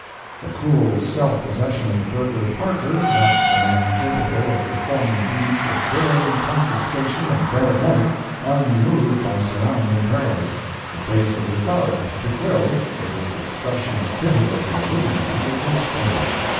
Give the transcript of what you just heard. The cool self possession of the burglar Parker marks the man capable of performing deeds of daring confiscation at dead of night, unmoved by surrounding perils. The face of the Thug, De Quille, with its expression of pitiless malignity, is a study.